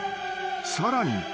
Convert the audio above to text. ［さらに］